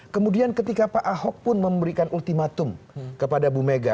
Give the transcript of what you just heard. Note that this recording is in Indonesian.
kemudian ketika pak ahok pun memberikan ultimatum kepada bumega